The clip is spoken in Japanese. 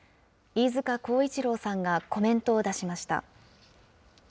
飯塚耕一郎さんがコメントを出しました。